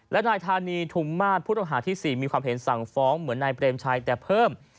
และนายธานีทุมมาตรผู้ต้องหาที่๔มีความเห็นสั่งฟ้องเหมือนนายเปรมชัยแต่เพิ่ม